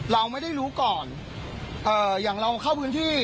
เราไม่ได้รู้ก่อนเอ่ออย่างเราเข้าพื้นที่